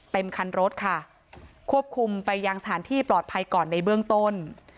เต็มคันรถค่ะควบคุมไปยังสถานที่ปลอดภัยก่อนในเบื้องต้น